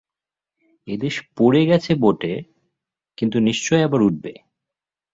এদেশ পড়ে গেছে বটে, কিন্তু নিশ্চয় আবার উঠবে।